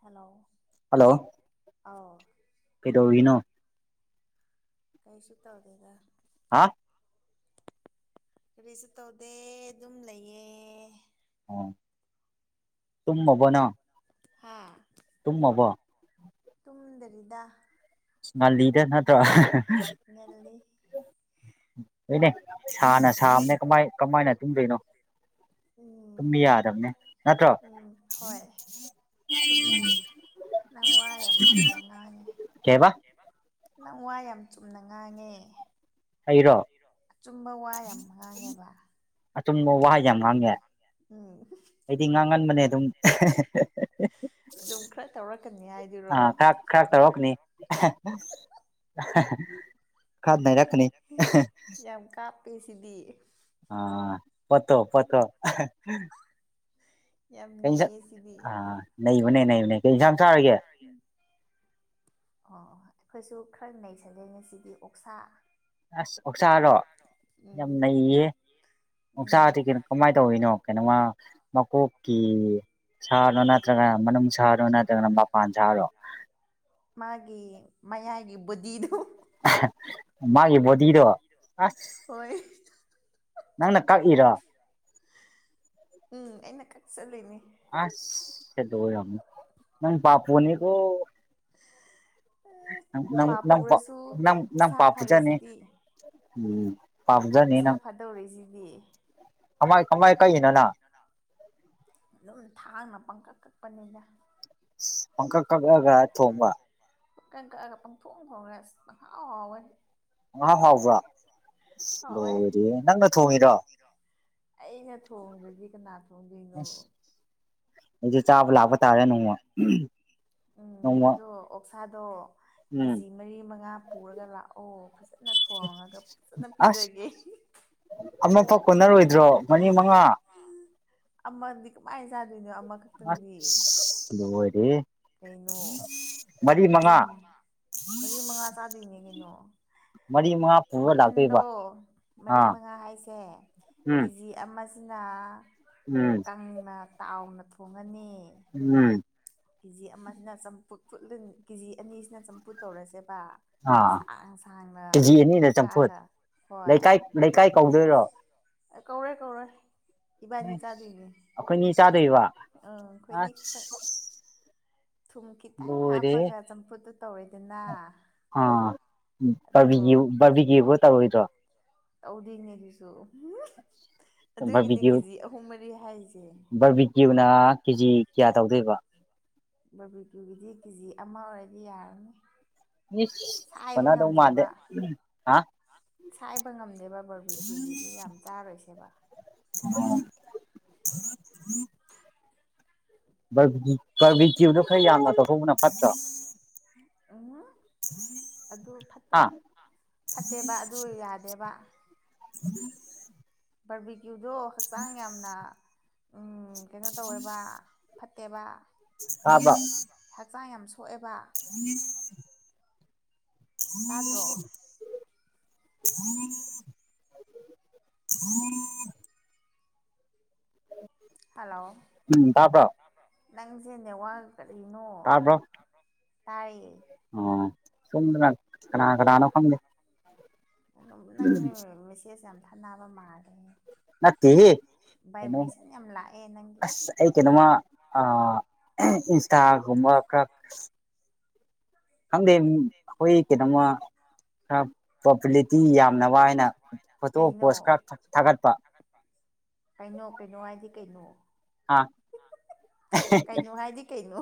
hello hello ꯑꯧ ꯀꯩꯗꯧꯔꯤꯅꯣ ꯀꯩꯁꯨ ꯇꯥꯎꯗꯦꯒ ꯍꯥ ꯀꯔꯤꯁꯨ ꯇꯧꯗꯦ ꯑꯗꯨꯝ ꯂꯩꯌꯦ ꯑꯣ ꯇꯨꯃꯕ ꯅꯪ ꯍꯥ ꯇꯨꯝꯃꯕꯣ ꯇꯨꯝꯗꯔꯤꯗ ꯃꯥ ꯂꯤꯗ ꯅꯠꯇ꯭ꯔ ꯉꯜꯂꯤ ꯍꯣꯏꯅꯦ ꯁꯥꯅ ꯁꯥꯝꯅꯦ ꯀꯃꯥꯏ ꯀꯃꯥꯏꯅ ꯇꯨꯝꯗꯣꯏꯅꯣ ꯑꯗꯨꯨꯝ ꯎꯝ ꯌꯥꯗꯕꯅꯦ ꯅꯠꯇ꯭ꯔꯣ ꯎꯝ ꯍꯣꯏ ꯆꯨꯝꯃꯦ ꯅꯪ ꯋꯥ ꯌꯥꯝ ꯆꯨꯝꯅ ꯉꯥꯡꯉꯦ ꯀꯩꯕ ꯅꯪ ꯋꯥ ꯌꯥꯝ ꯆꯨꯝꯅ ꯉꯥꯡꯉꯦ ꯑꯩꯔꯣ ꯑꯆꯨꯝꯕ ꯋꯥ ꯌꯥꯝ ꯉꯥꯡꯉꯦꯕ ꯑꯆꯨꯝꯕ ꯋꯥꯍꯩ ꯌꯥꯝ ꯉꯥꯡꯉꯦ ꯎꯝ ꯑꯩꯗꯤ ꯉꯥꯡꯍꯟꯕꯅꯦ ꯑꯗꯨꯝ ꯑꯗꯨꯝ ꯈꯔ ꯇꯧꯔꯛꯀ ꯑ ꯈꯔ ꯈꯔ ꯇꯔꯣꯀꯅꯤ ꯈ ꯅꯤ ꯀꯁꯤꯗꯤ ꯑꯥ ꯄꯠꯇꯣ ꯄꯠꯇꯣ ꯌꯥꯝ ꯂꯩꯩꯌꯦ ꯁꯤꯗꯤ ꯅ ꯎꯅꯦ ꯅ ꯎꯅꯦ ꯑ [inaudible] ꯑꯩꯈꯣꯏꯁꯨ ꯈꯔ ꯅꯩꯅꯁꯟꯖꯩ ꯉꯁꯤꯗꯤ ꯑꯣꯛꯁꯥ ꯑꯁ ꯑꯣꯛꯆꯥꯥꯔꯣ ꯌꯥꯝ ꯎꯝ ꯅꯩꯌꯦ ꯎꯝ ꯑꯣꯁꯗꯤ ꯀꯣ ꯀꯃꯥꯏꯅ ꯇꯧꯔꯤꯅꯣ ꯀꯩꯅꯣꯃ ꯃꯀꯣꯛꯀꯤ ꯁꯥꯔꯣ ꯅꯠꯇ꯭ꯔꯒꯅ ꯃꯅꯨꯡ ꯁꯥꯔꯣ ꯅꯠꯇ꯭ꯔꯒꯅ ꯃꯄꯥꯟ ꯁꯥꯔꯣ ꯃꯥꯒꯤ ꯃꯌꯥꯏꯒꯤ ꯕꯨꯗꯤꯗꯨ ꯃꯥꯒꯤ ꯕꯣꯗꯤꯗꯣ ꯑ ꯍꯣꯏ ꯅꯪꯅ ꯀꯛꯏꯔ ꯎꯝ ꯑꯩꯅ ꯀꯛ ꯆꯠꯂꯨꯅꯦ ꯑꯁ ꯁꯤ ꯇ ꯍꯅꯤ ꯅ ꯄꯄꯅꯤꯀꯣ ꯪ ꯄꯥ ꯅꯪ ꯄꯨꯔꯁꯨ ꯅꯪ ꯅꯪ ꯏꯁꯥ ꯄꯥꯄꯨꯖꯅꯤ ꯐꯔꯤꯁꯤꯗꯤ ꯎꯝ [inaudible] ꯏꯁꯥ ꯅꯪ ꯐꯥꯗꯧꯔꯤꯁꯤꯗꯤ ꯀꯃꯥꯏ ꯀꯃꯥꯏ ꯀꯛꯏꯅꯣ ꯅꯪ ꯑꯗꯨꯝ ꯊꯥꯡꯅ ꯄꯪꯀꯛ ꯀꯛꯄꯅꯤꯅ ꯄꯪꯀꯛ ꯀꯛꯂꯒ ꯊꯣꯡꯕ ꯀ ꯄꯪ ꯐ ꯐꯧꯒꯁꯥꯎꯣꯏ ꯉꯍꯥ ꯐꯥꯎꯕ꯭ꯔꯥ ꯍꯥꯎꯋꯦ ꯂꯣꯏꯔꯦ ꯅꯪꯅ ꯊꯣꯡꯉꯤꯔꯣ ꯑꯩꯅ ꯊꯣꯡꯗ꯭ꯔꯗꯤ ꯀꯅꯥ ꯊꯣꯡꯗꯣꯏꯅꯣ ꯑꯁ ꯑꯩꯁꯨ ꯆꯥꯕ ꯂꯥꯛꯄ ꯇꯥꯔꯦ ꯅꯣꯡꯃ ꯅꯣꯡꯃ ꯄꯧꯁꯥꯗꯣ ꯀꯦ ꯎꯝ ꯖꯤ ꯃꯔꯤ ꯃꯉꯥ ꯄꯨꯔꯒ ꯂꯥꯛꯑꯣ ꯐꯖꯅ ꯊꯣꯡꯉꯒ ꯐꯖꯅ ꯑꯁ ꯄꯤꯖꯒꯦ ꯑꯃꯦ ꯄ ꯀꯣꯅꯔ ꯑꯣꯏ ꯟꯗ꯭ꯔꯣ ꯃꯔꯤ ꯃꯉꯥ ꯑꯃꯗꯤ ꯀꯃꯥꯏꯅ ꯆꯥꯗꯣꯏꯅꯣ ꯑꯃꯈꯛꯇꯪꯗꯤ ꯑꯁ ꯂꯣꯏꯔꯦꯍꯦ ꯀꯩꯅꯣ ꯃꯔꯤ ꯃꯉꯥ ꯍꯧꯖꯤꯛ ꯃꯔꯤ ꯃꯉꯥ ꯆꯥꯗ꯭ꯔꯤꯉ ꯀꯩꯅꯣ ꯃꯔꯤ ꯃꯉꯥ ꯄꯨꯔ ꯂꯥꯛꯇꯣꯏꯕ ꯃꯈꯟꯗꯣ ꯃꯔꯤ ꯑꯥ ꯃꯉꯥ ꯍꯥꯏꯁꯦ ꯎꯝ ꯀꯦꯖꯤ ꯑꯃ ꯑꯁꯤꯅ ꯎꯝ ꯀꯪꯅ ꯇꯥꯎꯅ ꯊꯣꯡꯉꯅꯤ ꯎꯝ ꯀꯦꯖꯤ ꯑꯃꯁꯤꯅ ꯀꯦꯖꯤ ꯑꯅꯤꯁꯤꯅ ꯆꯝꯐꯨꯠ ꯇꯧꯔꯁꯦ ꯑꯥ ꯁꯥꯡ ꯁꯥꯡꯅ ꯀꯦꯖꯤ ꯑꯅꯤꯅ ꯆꯝꯐꯨꯠ ꯀꯛꯑꯒ ꯂꯩꯀꯥꯏ ꯂꯩꯀꯥꯏ ꯀꯧꯗꯣꯏꯔꯣ ꯀꯧꯔꯦ ꯀꯧꯔꯦ ꯑꯩꯈꯣꯏꯅꯤ ꯆꯥꯗꯣꯏꯕ ꯑꯪ ꯑꯩꯈꯣꯏꯅꯤ ꯑꯁ ꯈꯤꯇꯪ ꯊꯨꯝ ꯈꯤꯇꯪ ꯂꯣꯏꯔꯦꯍꯦ ꯍꯥꯞꯄꯒ ꯆꯝꯐꯨꯠꯇꯨ ꯇꯧꯔꯦꯗꯅ ꯑꯗꯣ ꯕꯥꯕꯤꯒꯤ ꯕꯥꯔꯕꯤꯒꯤꯕꯨ ꯇꯧꯔꯣꯏꯗ꯭ꯔꯣ ꯇꯦꯗꯣꯏꯅꯦ ꯑꯗꯨꯖꯨ ꯑꯗꯨꯒꯤꯅꯤ ꯕꯥꯔꯕꯤꯀ꯭ꯌꯨ ꯀꯦꯖꯤ ꯑꯍꯨꯝ ꯃꯔꯤ ꯍꯥꯏꯁꯦ ꯀꯨꯅꯥ ꯀꯦꯖꯤ ꯀꯌꯥ ꯇꯧꯗꯣꯏꯕ ꯕꯕꯤꯀꯒꯤꯗꯤ ꯀꯦꯖꯤ ꯑꯃ ꯑꯣꯏꯔꯗꯤ ꯌꯥꯔꯅꯤ ꯁꯥꯏꯕ ꯐꯅꯥꯗꯧ ꯃꯥꯗꯦ ꯉꯝꯗꯦꯕ ꯍꯥ ꯁꯥꯏꯕ ꯉꯝꯗꯦꯕ ꯕꯔꯕꯤꯀꯤꯕꯤꯗꯤ ꯌꯥꯝ ꯇꯥꯔꯣꯏꯁꯦꯕ ꯎꯝ ꯕꯔꯕꯤꯇꯤꯗꯣ ꯈꯔ ꯌꯥꯝꯅ ꯇꯧꯀꯧꯕꯅ ꯐꯠꯇ꯭ꯔꯣ ꯑꯣ ꯑꯗꯨ ꯐꯠꯇꯦ ꯍꯥ ꯐꯠꯇꯦꯕ ꯑꯗꯨ ꯌꯥꯗꯦꯕ ꯕꯔꯕꯤꯇ꯭ꯌꯨꯗꯣ ꯍꯛꯆꯥꯡ ꯌꯥꯝꯅ ꯎ ꯀꯩꯅꯣ ꯇꯧꯋꯦꯕ ꯐꯠꯇꯦꯕ ꯑꯝꯕ ꯆ ꯌꯥꯝ ꯁꯣꯛꯑꯦꯕ ꯎꯝ ꯇꯥꯗ꯭ꯔꯣ ꯎꯝ ꯎꯝ ꯎꯝ ꯍꯜꯂꯣ ꯎꯝ ꯇꯥꯕ꯭ꯔꯣ ꯅꯪꯁꯦ ꯅꯦꯋꯥꯔ ꯀꯔꯤꯅꯣ ꯇꯔꯕ ꯇꯥꯏꯌꯦ ꯑ ꯁꯨꯝꯗ ꯀꯅꯥ ꯀꯅꯥꯅ ꯈꯪꯗ ꯑꯗꯨꯝ ꯅꯪꯅ ꯃꯦꯁꯦꯖ ꯌꯥꯝ ꯊꯥꯅꯕ ꯃꯥꯜꯂꯦ ꯅꯠꯇ ꯀꯩꯅꯣ ꯚꯥꯏꯕ꯭ꯔꯦꯁꯟ ꯌꯥꯝ ꯂꯥꯛꯑꯦ ꯅꯪꯒꯤ ꯑꯁ ꯑꯩ ꯀꯩꯅꯣꯃ ꯑ ꯏꯟꯇꯒꯨꯃ ꯀ ꯈꯪꯗꯦ ꯑꯩꯈꯣꯏ ꯀꯩꯅꯣꯃ ꯈꯔ ꯄꯣꯄꯨꯂꯤꯇꯤ ꯌꯥꯝꯅꯕ ꯍꯥꯏꯅ ꯐꯣꯇꯣ ꯀꯩꯅꯣ ꯄꯣꯁ ꯈꯔ ꯊꯥꯒꯠꯄ ꯀꯩꯅꯣ ꯀꯩꯅꯣ ꯍꯥꯏꯗꯤ ꯀꯩꯅꯣ ꯍꯥ ꯀꯩꯅꯣ ꯍꯥꯏꯗꯤ ꯀꯩꯅꯣ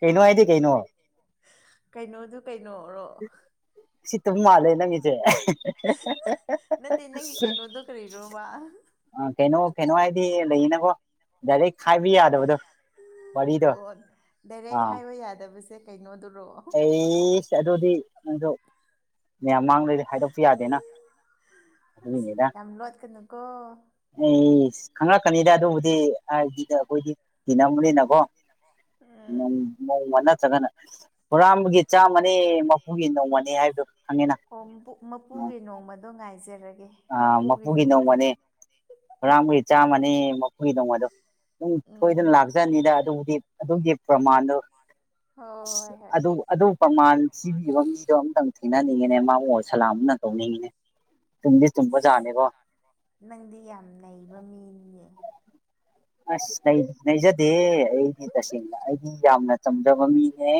ꯀꯩꯅ ꯍꯥꯏꯗꯤ ꯀꯩꯅ ꯀꯩꯅꯣꯗꯨ ꯀꯩꯅꯣꯔꯣ ꯑꯗꯨ ꯃꯥꯜꯂꯦ ꯅꯪꯒꯤꯁꯦ ꯅꯠꯇ ꯅꯪꯒꯤ ꯀꯩꯅꯗꯗꯨ ꯀꯔꯤꯔꯣꯃ ꯀꯩꯅꯣ ꯀꯩꯅꯣ ꯍꯥꯏꯗꯤ ꯂꯩꯌꯦꯅꯀꯣ ꯗꯥꯏꯔꯦꯛ ꯈꯥꯏꯕ ꯌꯥꯗꯕꯗꯣ ꯋꯥꯔꯤꯗꯣ ꯑꯣ ꯗꯥꯏꯔꯦꯛ ꯑꯥ ꯍꯥꯏꯋ ꯌꯥꯗꯕꯁꯦ ꯀꯩꯅꯣꯗ ꯑꯩꯁ ꯑꯗꯨꯗꯤ ꯅꯪꯗꯣ ꯃꯌꯥꯝ ꯃꯥꯡꯗ꯭ꯔꯗꯤ ꯍꯥꯏꯗꯣꯛꯄ ꯌꯥꯗꯦꯅ ꯑꯗꯨꯒꯤꯅꯤꯗ ꯌꯥꯝ ꯂꯣꯠꯀꯅꯨꯀꯣ ꯈꯪꯪꯂꯛꯀꯅꯤꯗ ꯑꯗꯨꯕꯨꯗꯤ ꯍꯥꯏꯗꯤꯗ ꯑꯩꯈꯣꯏꯗꯤ ꯊꯤ ꯅꯕꯅꯤꯅꯀꯣ ꯎꯝ ꯅꯣꯡꯃ ꯅꯠꯇ꯭ꯔꯒꯅ ꯍꯨꯔꯥꯟꯕꯒꯤ ꯆꯥꯝꯃꯅꯤ ꯃꯄꯨꯒꯤ ꯅꯣꯡꯃꯅꯤ ꯍꯥꯏꯕꯗꯣ ꯈꯪꯉꯤꯅ ꯑꯣ ꯃꯄꯨꯒꯤ ꯅꯣꯡꯃꯗꯣ ꯉꯥꯏꯖꯔꯒꯦ ꯃꯄꯨꯒꯤ ꯅꯨꯃꯤꯠꯇꯨ ꯍꯨꯔꯥꯡꯕꯒꯤ ꯆꯥꯝꯃꯅꯤ ꯃꯈꯨꯒꯤꯗꯣꯡ ꯃꯗꯣ ꯑꯗꯨꯝ ꯁꯣꯏꯗꯅ ꯎꯝ ꯂꯥꯛꯆꯅꯤꯗ ꯑꯗꯨꯕꯨꯗꯤ ꯑꯗꯨꯒꯤ ꯄ꯭ꯔꯃꯥꯟꯗꯣ ꯍꯣꯏ ꯑꯁ ꯍꯣꯏ ꯍꯣꯏ ꯑꯗꯨ ꯑꯗꯨ ꯄ꯭ꯔꯃꯥꯟ ꯊꯤꯕꯤꯕ ꯃꯤꯗꯣ ꯑꯝꯇꯪ ꯊ ꯊꯤꯅꯅꯤꯡꯉꯤꯅꯦ ꯃꯥ ꯃꯣꯟ ꯁꯂꯥꯝꯅ ꯇꯧꯅꯤꯡꯉꯤꯅꯦ ꯇꯨꯝꯗꯤ ꯆꯨꯝꯕ ꯖꯥꯠꯅꯦꯕꯣ ꯅꯪꯗꯤ ꯌꯥꯝ ꯅꯩꯕ ꯃꯤꯅꯤꯅꯦ ꯑꯁ ꯅꯖꯗꯦ ꯑꯩꯗꯤ ꯇꯁꯦꯡꯅ ꯑꯩꯗꯤ ꯌꯥꯝꯅ ꯆꯝꯖꯕ ꯃꯤꯅꯦ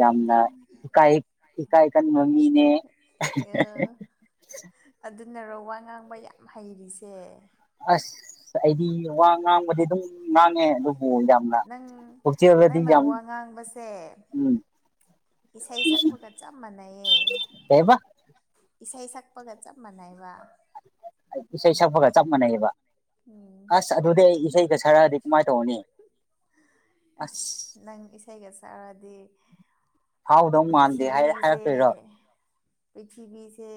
ꯌꯥꯝꯅ ꯏꯀꯥꯑ ꯏꯀꯥꯑꯀꯟꯕ ꯃꯤꯅꯦ [unintelligible] ꯎꯟꯅꯔꯧ ꯋꯥ ꯉꯥꯡꯕ ꯌꯥꯝ ꯍꯩꯔꯤꯁꯦ ꯑꯁ ꯑ ꯑꯩꯗꯤ ꯋꯥ ꯉꯥꯡꯕꯗꯤ ꯑꯗꯨꯝ ꯉꯥꯡꯉꯦ ꯑꯗꯨ ꯅꯪ ꯅꯪꯅ ꯋꯥ ꯉꯥꯡꯕꯁꯦ ꯎꯝ ꯏꯁꯩ ꯁꯛꯄꯒ ꯆꯞ ꯃꯥꯟꯅꯩꯌꯦ ꯀꯩꯕ ꯏꯁꯩ ꯁꯛꯄꯒ ꯆꯞ ꯃꯥꯟꯅꯩꯕ ꯏꯁꯩ ꯁꯛꯄꯒ ꯆꯞ ꯃꯥꯟꯅꯩꯑꯕ ꯎꯝ ꯑꯁ ꯑꯗꯨꯗꯤ ꯑꯩ ꯏꯁꯩꯒ ꯁꯛꯑꯗꯤ ꯀꯃꯥꯏ ꯇꯧꫪꯅꯤ ꯑꯁ ꯅꯪ ꯏꯁꯩꯒ ꯁꯛꯑꯗꯤ ꯐꯥꯎꯗꯧ ꯃꯥꯟꯗꯦ ꯍꯥꯏ ꯍꯥꯏꯔꯛꯇꯣꯏꯔꯣ ꯄꯔꯤꯊꯤꯕꯤꯁꯦ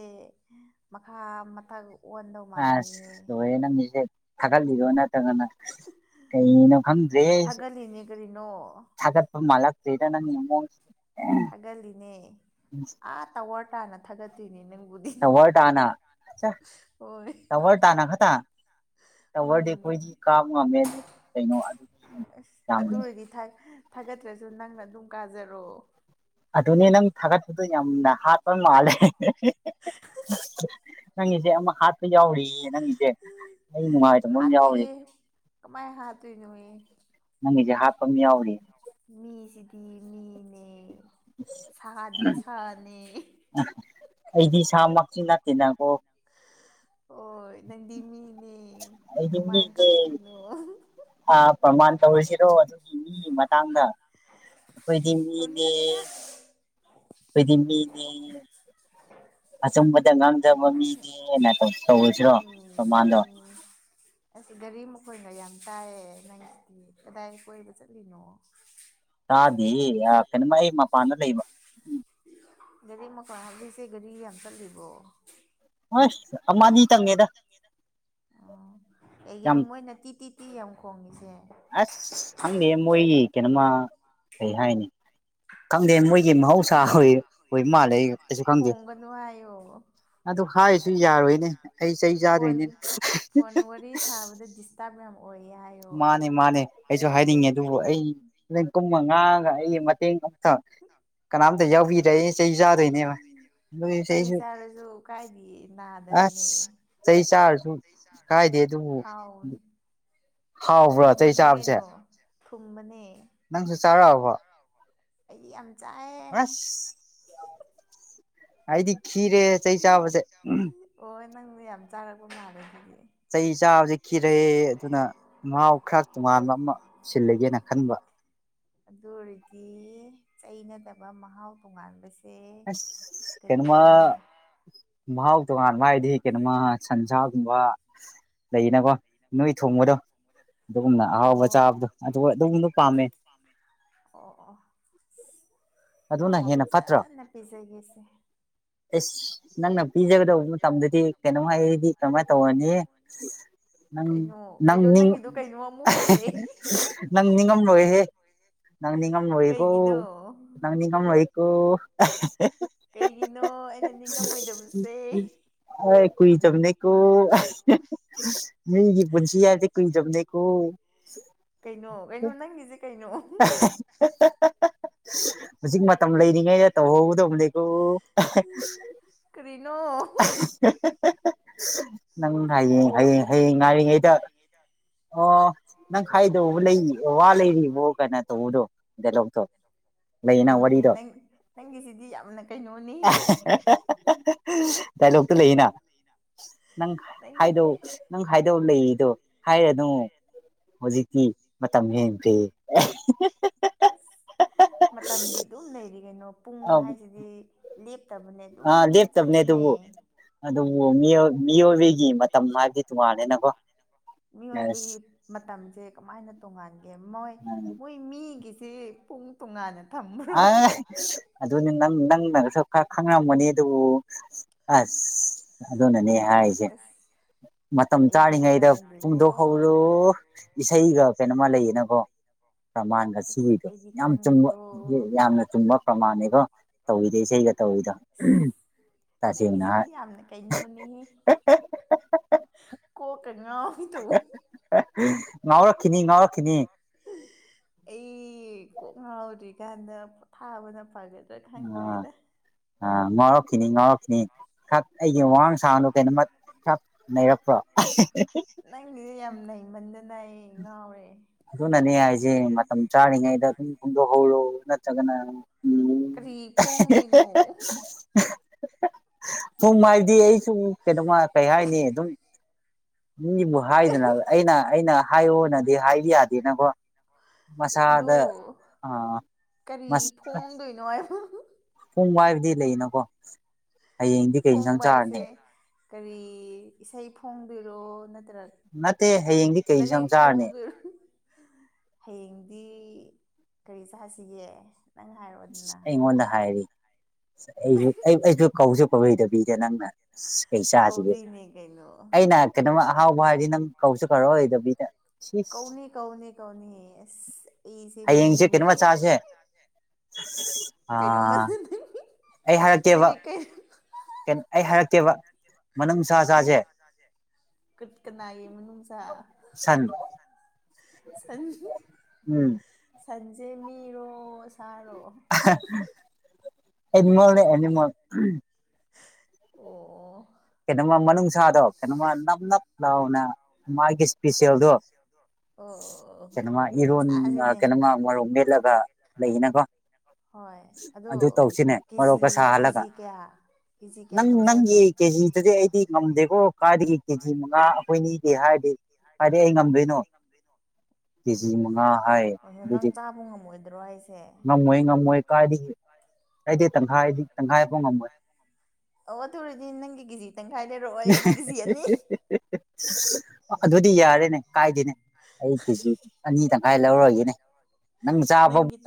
ꯃꯈꯥ ꯃꯊꯛ ꯑꯣꯟꯗꯧ ꯑꯥꯁ ꯃꯥꯜꯂꯦꯌꯦ ꯂꯣꯏꯔꯦ ꯅꯪꯒꯤꯁꯦ ꯊꯥꯂꯤꯔꯣ ꯅꯠꯇꯔ꯭ ꯒꯅ ꯀꯩꯅꯣ ꯈꯪꯗ꯭ꯔꯦꯍꯦ ꯑꯩꯁꯨ ꯊꯥꯒꯠꯂꯤꯅꯦ ꯀꯔꯤꯅꯣ ꯊꯥꯒꯠꯄ ꯃꯥꯜꯂꯛ [unintelligible] ꯊꯥꯒꯠꯂꯤꯅꯦ ꯑꯥ ꯇꯥꯋꯔ ꯇꯥꯟꯅ ꯊꯥꯒꯠꯇꯨꯏ ꯇꯥꯋꯔ ꯇꯥꯅ ꯍꯣꯏ ꯇꯥꯋꯔ ꯇꯥꯅ ꯈꯇ ꯇꯥꯋꯔꯗꯤ ꯎꯝ ꯑꯩꯈꯣꯏꯗꯤ ꯀꯥꯕ ꯉꯝꯃꯦ ꯑꯗꯨ ꯀꯩꯅꯣ ꯑꯗꯨꯒꯤ ꯑꯗꯨ [unintelligible] ꯑꯣꯏꯔꯗꯤ ꯊꯥꯒꯠꯇ꯭ꯔꯁꯨ ꯅꯪꯅ ꯑꯗꯨꯝ ꯀꯥꯖꯔꯣ ꯑꯗꯨꯅꯦ ꯅꯪ ꯊꯥꯒꯠꯄꯗꯣ ꯌꯥꯝꯅ ꯍꯥꯠꯄ ꯃꯥꯜꯂꯦ ꯅꯪꯒꯤꯁꯦ ꯑꯃ ꯍꯥꯠꯄ ꯌꯥꯎꯔꯤ ꯍꯥꯠꯇꯦ ꯌꯥꯎꯔꯤ ꯀꯃꯥꯏ ꯍꯥꯠꯇꯨꯏꯅꯣꯌꯦ ꯅꯪꯒꯤꯁꯦ ꯍꯥꯞꯄꯃ ꯌꯥꯎꯔꯤ ꯃꯤꯁꯤꯗꯤ ꯃꯤꯅꯦ ꯁꯥꯗꯤ ꯁꯥꯅꯦ ꯑꯩꯗꯤ ꯏꯁꯥꯃꯛ [unintelligible] ꯑꯣ ꯅꯪꯗꯤ ꯃꯤꯅꯦ ꯀꯃꯥꯏ ꯀꯛꯇꯣꯏꯅꯣ ꯑ ꯄ꯭ꯔꯃꯥꯟ ꯇꯧꯔꯤꯁꯤꯔꯣ ꯑꯗꯨꯒꯤ ꯃꯤꯒꯤ ꯃꯇꯥꯡꯗ ꯑꯩꯈꯣꯏꯗꯤ ꯃꯤꯅꯦ ꯇꯧꯅꯤꯡꯗꯦꯗ ꯑꯩꯈꯣꯏꯗꯤ ꯃꯤꯅꯦ ꯑꯆꯨꯝꯕꯗ ꯉꯥꯡꯖꯕ ꯃꯤꯅꯦꯅ ꯀꯣ ꯇꯧꯔꯁꯤꯔꯣ ꯎꯝ ꯀꯃꯥꯟꯗꯣ ꯎꯝ ꯑꯁ ꯒꯥꯔꯤ ꯃꯈꯣꯟꯒ ꯌꯥꯝ ꯇꯥꯏꯌꯦ ꯅꯪꯁꯤꯗꯤ ꯀꯗꯥꯏ ꯀꯣꯏꯕ ꯆꯠꯂꯤꯅꯣ ꯇꯥꯗꯦꯍꯦ ꯀꯩꯅꯣꯃ ꯑꯩ ꯃꯄꯥꯟꯗ ꯂꯩꯕ ꯒꯥꯔꯤ ꯃꯈꯣꯟ ꯍꯥꯞꯂꯤꯁꯦ ꯒꯥꯔꯤ ꯌꯥꯝ ꯆꯠꯂꯤꯕꯣ ꯑꯁ ꯑꯃ ꯑꯅꯤꯇꯪꯅꯦꯗ [unintelligible] ꯀꯩꯒꯤꯅꯣ ꯌꯥꯝ ꯃꯣꯏꯅ ꯇꯤ ꯇꯤ ꯇꯤ ꯌꯥꯝ ꯈꯣꯡꯉꯤꯁꯦ ꯑꯁ ꯈꯪꯗꯦ ꯃꯣꯏꯒꯤ ꯀꯩꯅꯣꯃ ꯀꯩ ꯍꯥꯏꯅꯤ ꯈꯪꯗꯦ ꯃꯣꯏ ꯒꯤ ꯃꯍꯧꯁꯥ [unintelligible] ꯃꯥꯜꯂꯦ ꯑꯩ ꯀꯩꯁꯨ ꯈꯪꯗꯦ ꯈꯣꯡꯒꯅꯨ ꯍꯥꯏꯌꯣ ꯑꯗꯨ ꯍꯥꯏ ꯁꯨ ꯌꯥꯔꯣꯏꯅꯦ ꯑꯩ ꯆꯩ ꯆꯥꯗꯣꯏꯅꯤ ꯐꯣꯟ ꯐꯣꯟ ꯋꯥꯔꯤ ꯁꯥꯕꯗ ꯗꯤꯁꯇꯥꯔꯕ ꯌꯥꯝ ꯑꯣꯏꯌꯦ ꯍꯥꯏꯌꯣ ꯃꯥꯅꯦ ꯃꯥꯅꯦ ꯑꯩꯁꯨ ꯍꯥꯏꯅꯤꯡꯉꯤ ꯑꯗꯨꯕꯨ ꯑꯩ ꯅ ꯀꯨꯝꯃ ꯉꯥꯡꯉꯒ ꯑꯩꯒꯤ ꯃꯇꯦꯡ ꯀꯅꯥꯝꯇ ꯌꯥꯎꯕꯤꯗꯔ꯭ꯦ ꯑꯩ ꯆꯩ ꯆꯥꯗꯣꯏꯅꯦꯕ ꯑꯗꯨꯏꯁꯨ ꯆꯩ ꯑꯩꯁꯨ ꯆꯥꯔꯁꯨ ꯀꯥꯏꯗꯤꯌꯦ ꯅꯥꯗꯕꯅꯦ ꯑꯁ ꯆꯩ ꯆꯥꯔꯁꯨ ꯀꯥꯏꯗꯦ ꯑꯗꯨꯕꯨ ꯍꯥꯎꯕꯅꯤ ꯍꯥꯎꯕ꯭ꯔꯣ ꯆꯩ ꯊꯨꯝꯕꯅꯦ ꯆꯥꯕꯁꯦ ꯀꯩꯅꯣ ꯊꯨꯝꯕꯅꯦ ꯅꯪꯁꯨ ꯆꯥꯔꯛꯑꯕꯣ ꯑꯩꯗꯤ ꯌꯥꯝ ꯆꯥꯏꯌꯦ ꯑꯁ ꯑꯩꯗꯤ ꯈꯤꯔꯦ ꯆꯩ ꯆꯥꯕꯁꯦ ꯑꯣ ꯅꯪꯗꯤ [unintelligible] ꯆꯩ ꯆꯥꯕꯁꯦ ꯈꯤꯔꯦ ꯑꯗꯨꯅ ꯃꯍꯥꯎ ꯈꯔ ꯇꯣꯉꯥꯟꯕ ꯑꯃ ꯁꯤꯜꯂꯒꯦꯅ ꯈꯟꯕ ꯑꯗꯨ ꯑꯣꯏꯔꯗꯤ ꯆꯩ ꯅꯠꯇꯕ ꯃꯍꯥꯎ ꯇꯣꯉꯥꯟꯕꯁ ꯑꯁ ꯀꯩꯅꯣꯝꯃ ꯃꯍꯥꯎ ꯇꯣꯉꯥꯟꯕ ꯍꯥꯏꯗꯤ ꯀꯩꯅꯣꯃ ꯁꯟꯁꯥ ꯒꯨꯝꯕ ꯂꯩꯌꯦꯅꯀꯣ ꯅꯣꯏ ꯊꯣꯡꯕꯗꯣ ꯑꯗꯨꯒꯨꯝꯅ ꯑꯍꯥꯎꯕ ꯑꯣ ꯆꯥꯕꯗꯣ ꯑꯗꯨꯒ ꯑꯗꯨꯒꯨꯝꯕꯗꯣ ꯄꯥꯝꯃꯦ ꯑꯣ ꯑꯣ ꯅꯣꯡꯃ ꯐꯖꯅ ꯄꯤꯖꯒꯦꯁꯦ ꯏꯁ ꯅꯪꯅ ꯄꯤꯖꯒꯗꯧꯕ ꯃꯇꯝꯗꯗꯤ ꯀꯩꯅꯣ ꯑꯩꯗꯤ ꯀꯃꯥꯏꯅ ꯇꯧꯔꯅꯤ ꯅꯪ ꯀꯩꯅꯣ ꯅꯪ ꯀꯩꯅꯣ ꯅꯤꯡ ꯅꯪꯒꯤꯗꯣ ꯀꯩꯅꯣ ꯑꯃꯨꯛ ꯍꯧꯔꯛꯑꯦ ꯅꯪ ꯅꯤꯡꯉꯝꯂꯣꯏꯍꯦ ꯅꯪ ꯅꯤꯡꯉꯝ ꯂꫭꯏꯀꯣ ꯀꯩꯒꯤꯅꯣ ꯏꯉꯝ ꯂꯣꯏꯀꯣ ꯀꯩꯒꯤꯅꯣ ꯑꯩꯅ ꯅꯤꯡꯉꯝꯃꯣꯏꯗꯕꯁꯦ ꯍꯣꯏ ꯀꯨꯏꯗꯕꯅꯦꯀꯣ ꯃꯤꯒꯤ ꯄꯨꯟꯁꯤ ꯍꯥꯏꯕꯁꯤ ꯀꯨꯏꯗꯕꯅꯦꯀꯣ ꯀꯩꯅꯣ ꯀꯩꯅꯣ ꯅꯪꯒꯤꯖꯤ ꯀꯩꯅꯣ ꯍꯧꯖꯤꯛ ꯃꯇꯝ ꯂꯩꯔꯤꯉꯩꯗ ꯇꯧꯍꯧꯒꯗꯧꯕꯅꯤꯀꯣ ꯀꯔꯤꯅꯣ ꯅꯪ ꯍꯌꯦꯡ ꯍꯌꯦꯡ ꯍꯌꯦꯡ ꯉꯥꯏꯔꯤꯉꯩꯗ ꯑꯣ ꯅꯪ ꯍꯥꯏꯗꯧꯕ ꯂꯩ ꯋꯥ ꯂꯩꯔꯤꯕꯣ ꯀꯥꯏꯅ ꯇꯧꯕꯗꯣ ꯗꯂꯣꯛꯇꯣ ꯀꯩꯅꯣꯅꯦ ꯅꯪ ꯅꯪꯒꯤꯁꯤꯗꯤ ꯌꯥꯝꯅ ꯀꯩꯅꯣꯅꯤ ꯍꯦ ꯗꯥꯏꯂꯣꯛꯇꯨ ꯂꯩꯌꯦꯅ ꯅꯪ ꯅꯪꯒꯤ ꯍꯥꯏꯗꯧ ꯅꯪ ꯍꯥꯏꯗꯧ ꯂꯩꯗꯣ ꯍꯥꯏꯔꯅꯨ ꯍꯧꯖꯤꯛꯇꯤ ꯃꯇꯝ ꯍꯦꯟꯈ꯭ꯔꯦ ꯑꯁ ꯃꯇꯝꯗꯤ ꯑꯗꯨꯝ ꯂꯩꯔꯤ ꯀꯩꯅꯣ ꯄꯨꯡ ꯍꯥꯏꯁꯤꯗꯤ ꯂꯦꯞꯇꯕꯅꯦ ꯑꯗꯨꯝ ꯑꯥ ꯂꯦꯞꯇꯕꯅꯦ ꯆꯠꯄꯅꯦ ꯑꯗꯨꯕꯨ ꯑꯗꯨꯕꯨ ꯃꯤꯑꯣꯏ ꯃꯤꯑꯣꯏꯕꯒꯤ ꯃꯇꯝ ꯍꯥꯏꯕꯗꯤ ꯇꯨꯉꯥꯜꯂꯦꯅꯀꯣ ꯃꯤꯑꯣꯏꯕꯒꯤ ꯃꯇꯝꯁꯦ ꯀꯃꯥꯏꯅ ꯇꯣꯡꯉꯥꯟꯒꯦ ꯃꯣꯏ ꯃꯣꯏ ꯃꯤꯒꯤ ꯁꯤ ꯄꯨꯡ ꯇꯨꯉꯥꯟꯅ ꯑ ꯑꯗꯨꯅꯤ ꯅꯪ ꯅꯪ ꯅ ꯊꯣꯛ ꯈ ꯈꯪꯉꯝꯒꯅꯤ ꯑꯗꯨꯕꯨ ꯑꯁ ꯑꯗꯨꯅꯅꯦ ꯍꯥꯏꯁꯦ ꯑꯁ ꯃꯇꯝ ꯑꯩꯗꯤ ꯆꯥꯔꯤꯉꯩꯗ ꯈꯪꯗꯦꯕꯣ ꯄꯨꯡꯗꯣ ꯍꯧꯔꯣ ꯏꯁꯩꯒ ꯀꯩꯅꯣꯝꯃ ꯂꯩꯌꯦꯅꯀꯣ ꯑꯁ ꯄ꯭ꯔꯃꯥꯟꯒꯁꯤꯔꯤꯗꯣ ꯑꯩꯗꯤ ꯌꯥꯝ ꯆꯨꯝꯕ ꯈꯪꯗꯦꯀꯣ ꯌꯥꯝꯅ ꯆꯨꯝꯕ ꯄ꯭ꯔꯃꯥꯟꯅꯦꯀꯣ ꯇꯧꯋꯤꯗꯦ ꯏꯁꯩꯒ ꯇꯧꯋꯤꯗꯣ ꯇꯁꯦꯡꯅ ꯅꯪꯒꯤꯁꯤꯗꯤ ꯍꯥꯏ ꯌꯥꯝꯅ ꯀꯩꯅꯣꯅꯤꯍꯦ ꯀꯣꯀ ꯀ ꯉꯥꯎ ꯋꯤ ꯇꯧꯕꯥ ꯉꯥꯎꯔꯛꯈꯤꯅꯤ ꯉꯥꯎꯔꯛꯈꯤꯅꯤ ꯑꯩ ꯀꯣꯛ ꯉꯥꯎ꯭ꯔꯤ ꯀꯥꯟꯗ ꯊꯥꯕꯅ ꯐꯒꯦ ꯑ ꯑ ꯉꯥꯎꯔꯛꯈꯤꯅꯤ ꯉꯥꯎꯔꯛꯈꯤꯅꯤ ꯈꯛ ꯑꯩꯒꯤ ꯋꯥꯑꯥꯟ ꯊꯥꯅꯣ ꯀꯩꯅꯣꯃ ꯐꯛ ꯅꯩꯔꯛꯄ꯭ꯔꯣ ꯅꯩ ꯉꯥꯎꯔꯦ ꯑꯗꯨꯅꯅꯦ ꯍꯥꯏꯖꯦ ꯃꯇꯝ ꯆꯥꯔꯤꯉꯩꯗ ꯑꯗꯨꯝ ꯐꫭꯡꯗꯣꯛꯍꯧꯔꯣ ꯅꯠꯇ꯭ꯔꯒꯅ ꯎꯝ ꯀꯔꯤ ꯐꯣꯡꯗꯣꯏꯅꯣ ꯊꯨꯝ ꯍꯥꯏꯗꯤ ꯑꯩꯁꯨ ꯀꯩꯅꯣꯃ ꯀꯩ ꯍꯥꯏꯅꯤ ꯑꯗꯨꯝ ꯃꯤꯕꯨ ꯀꯔꯤ ꯍꯥꯏꯗꯅ ꯑꯩꯅ ꯑꯩꯅ ꯍꯥꯏꯌꯣꯅꯗꯤ ꯍꯥꯏꯗꯤ ꯌꯥꯗꯦꯅꯀꯣ ꯑꯗꯨ ꯃꯁꯥꯗ ꯑꯥ ꯀꯔꯤ ꯃꯁ ꯐꯣꯡꯗꯣꯏꯅꯣ ꯍꯥꯏꯕ ꯄꯨꯡ ꯋꯥꯏꯕꯗꯤ ꯂꯩꯅꯀꯣ ꯍꯌꯦꯡꯗꯤ ꯀꯩ ꯏꯟꯁꯥꯡ ꯊꫭꯡꯕ ꯍꯥꯏꯁꯦ ꯆꯥꯔꯅꯤ ꯀꯔꯤ ꯏꯁꯩ ꯐꯣꯡꯗꯣꯏꯔꯣ ꯅꯠ ꯅꯠꯇꯦ ꯍꯌꯦꯡꯗꯤ ꯀꯩ ꯖꯥꯟ ꯆꯥꯔꯅꯤ ꯐꯣꯡꯗꯣꯏꯔꯣ ꯍꯌꯦꯡꯗꯤ ꯀꯔꯤ ꯆꯥꯁꯤꯒꯦ ꯅꯪ ꯏꯁ ꯍꯥꯏꯔꯛꯑꯣꯗꯅ ꯑꯩꯉꯣꯟꯗ ꯍꯥꯏꯔꯤ ꯑꯩꯖꯨ ꯑꯩ ꯑꯩꯖꯨ ꯀꯧꯖꯨ ꯀꯧꯔꫭꯏꯗꯕꯤꯗ ꯅꯪꯅ ꯑꯁ ꯀꯩ ꯆꯥꯁꯤꯒꯦ ꯀꯧꯗꯣꯏꯅꯦ ꯀꯩꯅꯣ ꯑꯩꯅ ꯀꯩꯅꯣꯝꯃ ꯑꯍꯥꯎꯕ ꯍꯥꯏꯔꯗꯤ ꯅꯪ ꯀꯧꯁꯨ ꯀꯧꯔꯛꯑꯣꯏꯗꯕꯤꯗ ꯁꯤꯁ ꯀꯧꯅꯤ ꯀꯧꯅꯤ ꯀꯧꯅꯤ ꯑꯁ ꯑꯩꯁꯦ ꯃꯤꯅꯤꯅꯦ ꯑꯁ ꯑ ꯑꯩ ꯍꯥꯏꯔꯛꯀꯦꯕ ꯅꯪꯒꯤ ꯀꯩ ꯀꯟ ꯑꯩ ꯍꯥꯏꯔꯛꯇꯦꯕ ꯑꯣꯏꯁ ꯀꯠ ꯀꯅꯥꯏ ꯃꯅꯨꯡꯁ ꯁꯟ ꯁꯟ ꯎꯝ ꯁꯟꯖꯦ ꯃꯤꯔꯣ ꯊꯔꯣ ꯑꯦꯅꯤꯃꯜꯅꯦ ꯑꯦꯅꯤꯃꯜ ꯑꯣ ꯀꯩꯅꯣꯃ ꯃꯅꯨꯡꯁꯥꯗꯣ ꯀꯩꯅꯣꯃ ꯅꯞ ꯅꯞ ꯂꯥꯎꯅ ꯃꯥꯒꯤ ꯏꯁꯄꯤꯁꯦꯜꯗꯣ ꯑꯣ ꯑꯣ ꯀꯩꯅꯣꯃ ꯏꯔꯣꯟ ꯆꯥꯁꯤꯅꯦ ꯀꯩꯅꯣꯃ ꯃꯔꯣꯛ ꯃꯦꯠꯂꯒ ꯂꯩꯌꯦꯅꯀꯣ ꯍꯣꯏ ꯑꯗꯣ ꯀꯦꯖꯤ ꯃꯔꯣꯛꯀ ꯁꯥꯍꯜꯂꯒ ꯀꯦꯖꯤ ꯀꯌꯥ ꯀꯦꯖꯤ ꯀꯌꯥ ꯇꯧꯁꯦ ꯍꯥꯏꯅꯣ ꯀꯦꯖꯤꯗꯗꯤ ꯑꯩꯗꯤ ꯉꯝꯗꯦꯀꯣ ꯀꯥꯏꯗꯒꯤ ꯀꯦꯖꯤ ꯃꯉꯥ ꯑꯩꯈꯣꯏꯅꯤꯗꯤ ꯍꯥꯏꯔꯗꯤ ꯀꯥꯏꯗꯩ ꯑꯩ ꯉꯝ ꯗꯩꯅꯣ ꯀꯦꯖꯤ ꯃꯉꯥ ꯍꯥꯏ ꯀꯩꯅꫭ ꯅꯪ ꯑꯗꯨꯗꯤ ꯆꯥꯕ ꯉꯝꯃꯣꯏꯗ꯭ꯔꯣ ꯍꯥꯏꯁꯦ ꯀꯥꯏꯗꯤꯒꯤ ꯑꯩꯗꯤ ꯇꯪꯈꯥꯏꯗꯤ ꯇꯪꯈꯥꯏꯐꯥꯎ ꯉꯝꯃꯣꯏ ꯑꯣ ꯑꯗ‌ꯦꯔꯗꯤ ꯅꯪꯒꯤꯖꯤ ꯇꯪꯈꯥꯏ ꯂꯩꯔꯛꯑꯣ ꯑꯩꯒꯤ ꯀꯦꯖꯤ ꯑꯅꯤ ꯑꯗꯨꯗꯤ ꯌꯥꯔꯦꯅꯦ ꯀꯥꯏꯗ‌ꯦꯅꯦ ꯑꯩ ꯀꯦꯖꯤ ꯑꯅꯤ ꯇꯪꯈꯥꯏ ꯂꯧꯔꯒꯦꯅꯦ ꯅꯪ ꯆꯥꯕ ꯅꯪꯒꯤ